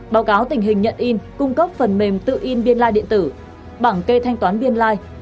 báo cáo tình hình nhận in cung cấp phần mềm tự in biên lai điện tử bảng kê thanh toán biên li